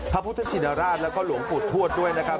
พระพุทธชินราชแล้วก็หลวงปู่ทวดด้วยนะครับ